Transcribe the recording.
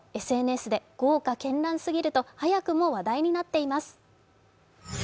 ＳＮＳで豪華絢爛すぎると早くも話題になっています。